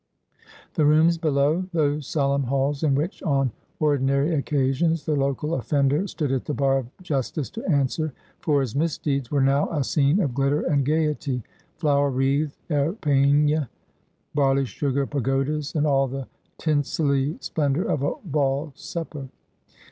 The rooms below — those solemn hails in which on ordinary occasions the local offender stood at the bar of justice to answer for his misdeeds — were now a scene of glitter and gaiety ; flower wreathed epergnes, barley sugar pagodas, and all the tinselly splendour of a ball supper.